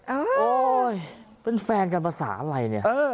โอ๊ยเป็นแฟนกันภาษาอะไรเนี่ย